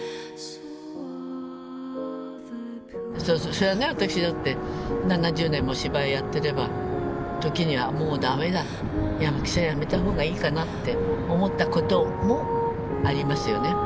そりゃね私だって７０年も芝居やってれば時にはもうダメだ役者やめたほうがいいかなって思ったこともありますよね。